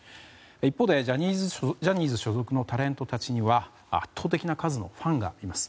一方で、ジャニーズ所属のタレントたちには圧倒的な数のファンがいます。